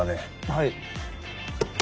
はい。